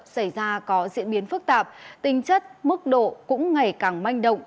xảy ra có diễn biến phức tạp tinh chất mức độ cũng ngày càng manh động